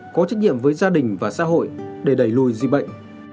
có trách nhiệm với gia đình và xã hội để đẩy lùi dịch bệnh